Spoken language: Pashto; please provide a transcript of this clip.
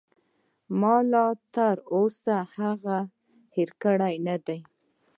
ما لاتر اوسه هغه هېره کړې نه ده.